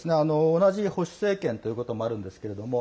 同じ保守政権ということもあるんですけれども